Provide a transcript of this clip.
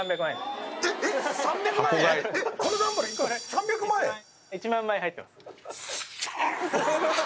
３００万円⁉１万枚入ってます。